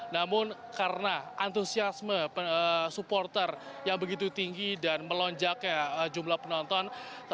namun karena antusiasme supporter yang begitu tinggi dan melonjaknya jumlah penonton